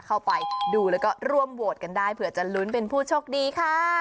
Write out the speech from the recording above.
เข้าไปดูแล้วก็ร่วมโหวตกันได้เผื่อจะลุ้นเป็นผู้โชคดีค่ะ